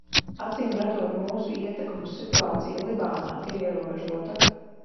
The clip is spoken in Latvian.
Acīmredzot mūsu ietekme uz situāciju Libānā ir ierobežota.